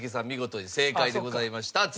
見事に正解でございました。